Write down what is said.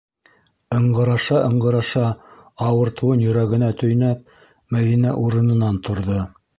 Ыңғыраша-ыңғыраша, ауыртыуын йөрәгенә төйнәп, Мәҙинә урынынан торҙо.